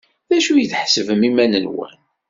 D acu i tḥesbem iman-nwen?